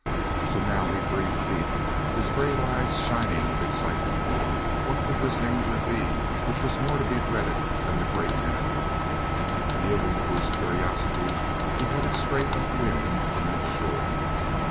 So now he breathed deep, his great eyes shining with excitement. What could this danger be which was more to be dreaded than the Great Enemy? Yielding to curiosity, he headed straight up wind to make sure.